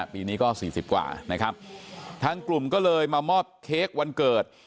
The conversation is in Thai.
ปีนี้ก็๔๐กว่านะครับทั้งกลุ่มก็เลยมามอบเค้กวันเกิด